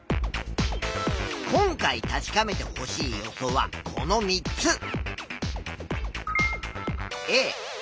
今回確かめてほしい予想はこの３つ。